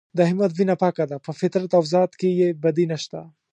د احمد وینه پاکه ده په فطرت او ذات کې یې بدي نشته.